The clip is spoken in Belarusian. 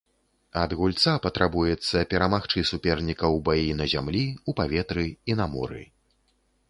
Ад гульца патрабуецца перамагчы суперніка ў баі на зямлі, у паветры і на моры.